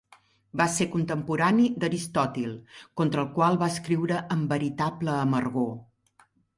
Va ser contemporani d'Aristòtil, contra el qual va escriure amb veritable amargor.